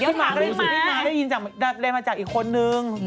เดี๋ยวถามกันดูสิพี่ม๊าได้ยินมาจากอีกคนนึง